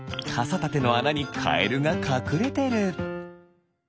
かさたてのあなにカエルがかくれてる！